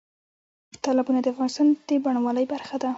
تالابونه د افغانستان د بڼوالۍ برخه ده.